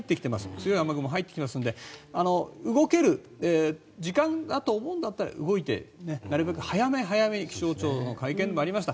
強い雨雲が入ってきますので動ける時間だと思うんだったら動いて、なるべく早め早めに気象庁の会見にもありました。